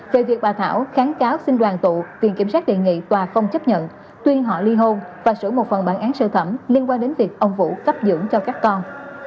về việc bà thảo kháng cáo xin đoàn tụ viện kiểm sát đề nghị tòa không chấp nhận tuyên họ ly hôn và xử một phần bản án sơ thẩm liên quan đến việc ông vũ cấp dưỡng cho các con